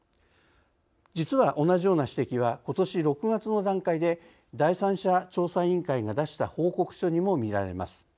実は、同じような指摘はことし６月の段階で第３者調査委員会が出した報告書にも見られます。